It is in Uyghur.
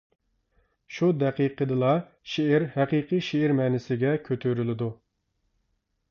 شۇ دەقىقىدىلا شېئىر ھەقىقىي شېئىر مەنىسىگە كۆتۈرۈلىدۇ.